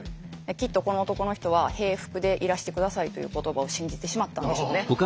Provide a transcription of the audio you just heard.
きっとこの男の人は平服でいらしてくださいという言葉を信じてしまったんでしょうね。